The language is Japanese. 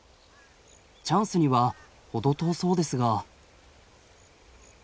チャンスには程遠そうですが。